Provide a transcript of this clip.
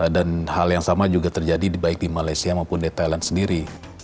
dan hal yang sama juga terjadi baik di malaysia maupun di thailand sendiri